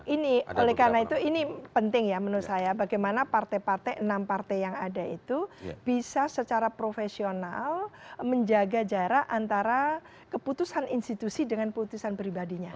ini oleh karena itu ini penting ya menurut saya bagaimana partai partai enam partai yang ada itu bisa secara profesional menjaga jarak antara keputusan institusi dengan putusan pribadinya